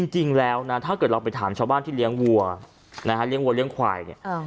จริงแล้วนะถ้าเกิดเราไปถามชาวบ้านที่เลี้ยงวัวนะฮะเลี้ยงวัวเลี้ยงควายเนี่ย